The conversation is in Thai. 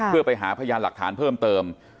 เพื่อไปหาพยานหลักฐานเพิ่มเติม